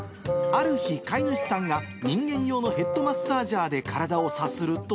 ある日、飼い主さんが人間用のヘッドマッサージャーで体をさすると。